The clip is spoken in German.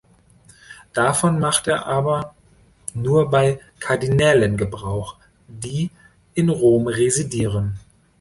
Davon macht er aber nur bei Kardinälen Gebrauch, die in Rom residieren.